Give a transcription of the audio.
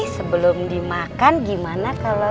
sebelum dimakan gimana kalau